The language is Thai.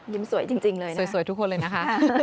ยิ้มสวยจริงเลยนะครับสวยทุกคนเลยนะคะ